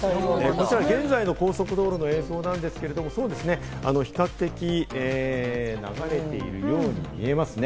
こちら現在の高速道路の映像なんですけれども、比較的、流れているように見えますね。